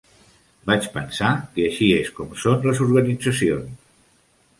Vaig pensar que així és com són les organitzacions.